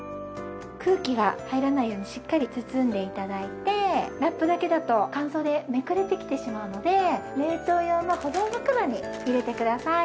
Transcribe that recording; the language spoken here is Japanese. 空気が入らないようにしっかり包んで頂いてラップだけだと乾燥でめくれてきてしまうので冷凍用の保存袋に入れてください。